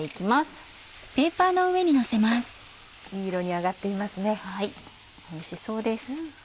はいおいしそうです。